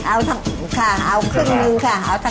เอาทั้งครึ่งหนึ่งค่ะ